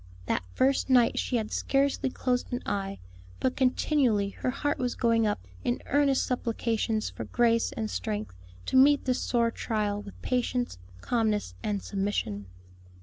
That first night she had scarcely closed an eye, but continually her heart was going up in earnest supplications for grace and strength to meet this sore trial with patience, calmness, and submission.